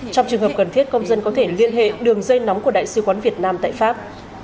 trong trường hợp cần thiết công dân có thể liên hệ đường dây nóng của đại sứ quán việt nam tại pháp